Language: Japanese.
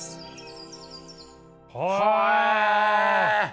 へえ。